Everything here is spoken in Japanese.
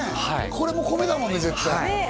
これも米だもんね絶対ねえ